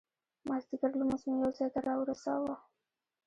مازدیګر لمونځ مو یو ځای ته را ورساوه.